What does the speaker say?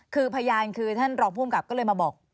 คือพยานคือท่านรองภูมิกับก็เลยมาบอก